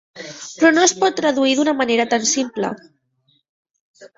Però no es pot traduir d’una manera tan simple.